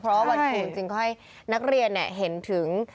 เพราะวันภูมิจริงให้นักเรียนเห็นถึง